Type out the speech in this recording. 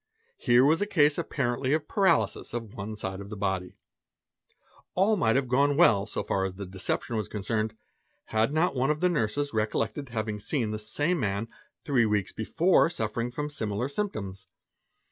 Here was a case apparently of paralysis of one side of the body. All might have gone well so far as the deception was concerned, had not one of the ; of a particular case. nurses recollected having seen the same man three weeks before suffer ing from similar symptoms.